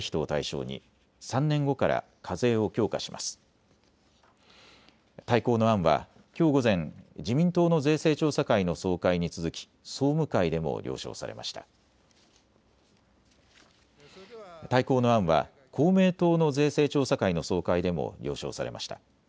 大綱の案は公明党の税制調査会の総会でも了承されました。